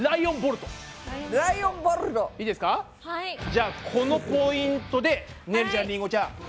じゃあこのポイントでねるちゃんりんごちゃん